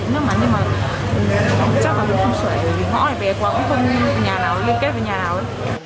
nhưng mà chắc là mình không sửa bởi vì ngõ này bé quá không có nhà nào liên kết với nhà nào